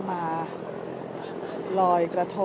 สวัสดีครับ